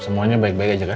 semuanya baik baik aja kan